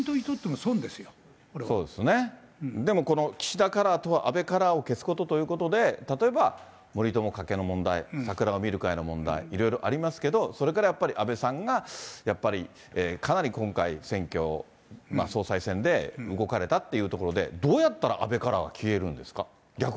そうですね、でも岸田カラー、安倍カラーを消すことということで、例えば森友、加計の問題、桜を見る会の問題、いろいろありますけど、それからやっぱり安倍さんがやっぱりかなり今回、選挙、総裁選で動かれたってところで、どうやったら安倍カラーは消えるんですか。